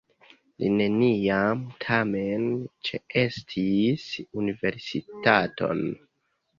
Li neniam, tamen, ĉeestis universitaton.